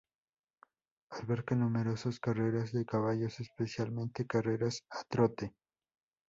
Alberga numerosas carreras de caballos, especialmente carreras a trote.